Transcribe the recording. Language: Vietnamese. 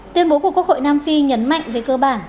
tuyên bố của quốc hội nam phi nhấn mạnh về cơ bản